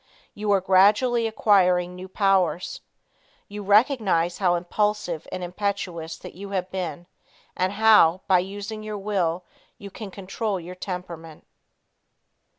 You are gradually acquiring new powers. You recognize how impulsive and impetuous you have been, and how, by using your will, you can control your temperament.